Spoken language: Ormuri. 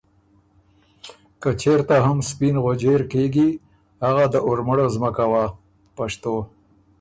که ”چېرته چې هم سپېن غؤجېر کېږي هغه د ارمړو زمکه وه“